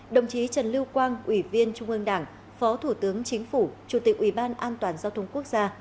đồng chí trần lưu quang ủy viên trung ương đảng phó thủ tướng chính phủ chủ tịch ủy ban an toàn giao thông quốc gia